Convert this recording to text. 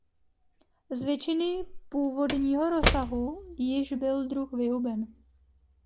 Z většiny původního rozsahu již byl druh vyhuben.